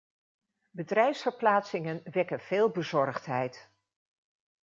Bedrijfsverplaatsingen wekken veel bezorgdheid.